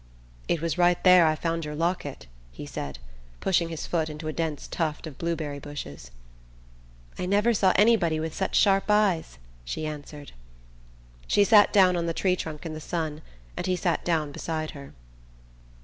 "It was right there I found your locket," he said, pushing his foot into a dense tuft of blueberry bushes. "I never saw anybody with such sharp eyes!" she answered. She sat down on the tree trunk in the sun and he sat down beside her.